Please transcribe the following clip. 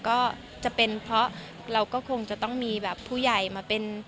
ก็จะเป็นเพราะเราก็คงจะต้องมีแบบผู้ใหญ่มาเป็น